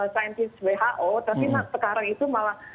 saintis who tapi sekarang itu malah